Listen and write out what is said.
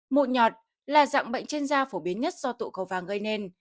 một nhọt là dạng bệnh trên da phổ biến nhất do tụ cầu vàng gây nên